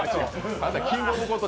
あなた「キングオブコント」